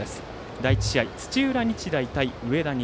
第１試合、土浦日大対上田西。